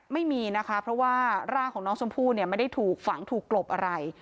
ไม่มีนะคะเพราะว่าร่างของน้องชมพู่เนี่ยไม่ได้ถูกฝังถูกกลบอะไร